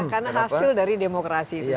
karena hasil dari demokrasi itu sendiri